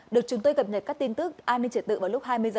được chúng tôi cập nhật các tin tức an ninh trật tự vào lúc hai mươi h